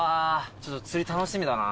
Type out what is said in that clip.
ちょっと釣り楽しみだな。